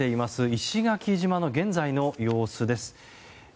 石垣島の現在の様子です。